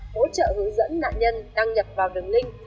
hỗ trợ hướng dẫn nạn nhân đăng nhập vào đường link